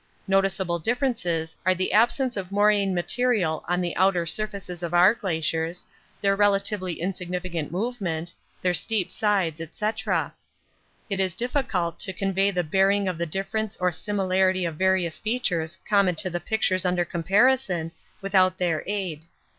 Noticeable differences are the absence of moraine material on the lower surfaces of our glaciers, their relatively insignificant movement, their steep sides, &c.... It is difficult to convey the bearing of the difference or similarity of various features common to the pictures under comparison without their aid.